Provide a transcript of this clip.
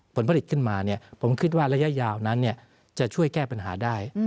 ผลผลิตขึ้นมาผมคิดว่าระยะยาวนั้นจะช่วยแก้ปัญหาได้